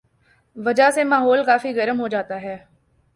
وجہ سے ماحول کافی گرم ہوجاتا ہے